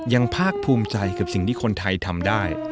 ภาคภูมิใจกับสิ่งที่คนไทยทำได้